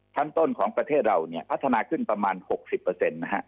ชั้นต้นของประเทศเราเนี่ยพัฒนาขึ้นประมาณหกสิบเปอร์เซ็นต์นะฮะ